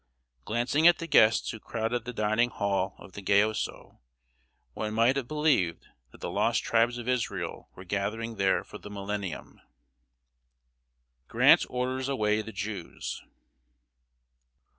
Glancing at the guests who crowded the dining hall of the Gayoso, one might have believed that the lost tribes of Israel were gathering there for the Millennium. [Sidenote: GRANT ORDERS AWAY THE JEWS.